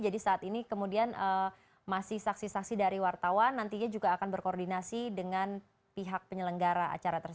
jadi saat ini kemudian masih saksi saksi dari wartawan nantinya juga akan berkoordinasi dengan pihak penyelenggara acara tersebut